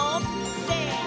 せの！